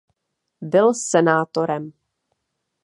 Byl senátorem.